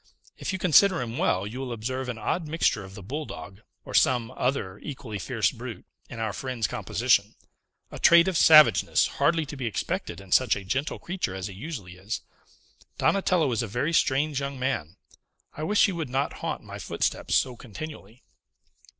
If you consider him well, you will observe an odd mixture of the bulldog, or some other equally fierce brute, in our friend's composition; a trait of savageness hardly to be expected in such a gentle creature as he usually is. Donatello is a very strange young man. I wish he would not haunt my footsteps so continually."